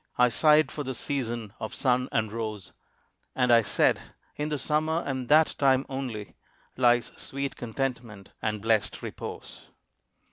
I sighed for the season of sun and rose, And I said, "In the Summer and that time only Lies sweet contentment and blest repose."